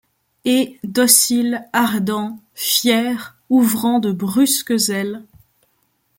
Et, docile, ardent, fier, ouvrant de brusques ailes ;